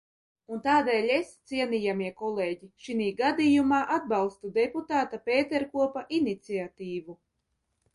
Un tādēļ es, cienījamie kolēģi, šinī gadījumā atbalstu deputāta Pēterkopa iniciatīvu.